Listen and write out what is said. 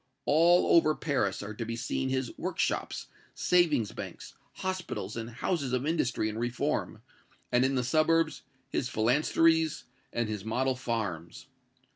All over Paris are to be seen his workshops, savings banks, hospitals and houses of industry and reform, and, in the suburbs, his phalansteries and his model farms.